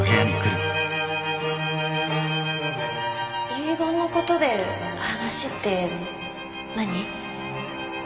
遺言のことで話って何？